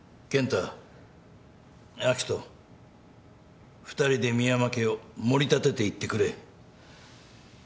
２人で深山家を盛り立てていってくれ。